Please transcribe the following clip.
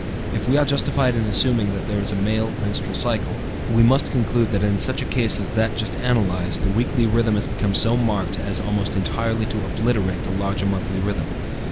If we are justified in assuming that there is a male menstrual cycle, we must conclude that in such a case as that just analyzed, the weekly rhythm has become so marked as almost entirely to obliterate the larger monthly rhythm.